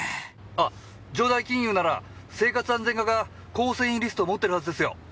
あ城代金融なら生活安全課が構成員リスト持ってるはずですよ！